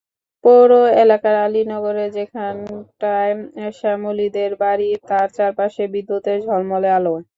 পৌর এলাকার আলী নগরের যেখানটায় শ্যামলীদের বাড়ি, তার চারপাশে বিদ্যুতের ঝলমলে আলো।